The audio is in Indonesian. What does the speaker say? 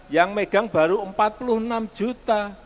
yang megang baru empat puluh enam juta